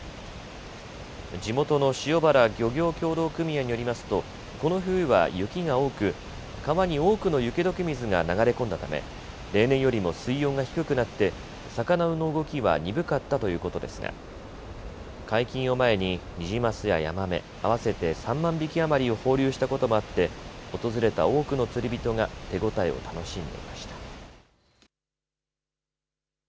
地元の塩原漁業協同組合によりますとこの冬は雪が多く川に多くの雪どけ水が流れ込んだため例年よりも水温が低くなって魚の動きは鈍かったということですが解禁を前にニジマスやヤマメ合わせて３万匹余りを放流したこともあって訪れた多くの釣り人が手応えを楽しんでいました。